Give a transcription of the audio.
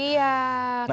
nah itu dia